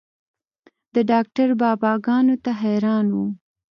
د ډاکتر بابا ګانو ته حيران وم.